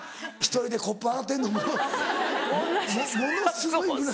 １人でコップ洗ってんのものすごいむなしい。